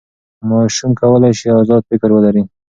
ماشوم کولی سي ازاد فکر ولري.